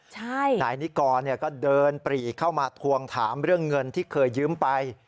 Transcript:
นายนิกรก็เดินปรีเข้ามาทวงถามเรื่องเงินที่เคยยืมไป